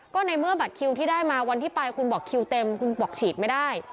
ก็ในเมื่อบัตรคิวที่ได้มาวันที่ไปคุณบอกคิวเต็มคุณบอกฉีดไม่ได้